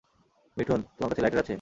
মিঠুন, তোমার কাছে লাইটার আছে?